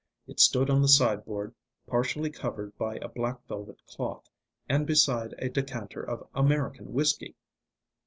It stood on the sideboard partially covered by a black velvet cloth, and beside a decanter of American whisky.